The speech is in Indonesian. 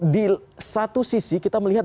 di satu sisi kita melihat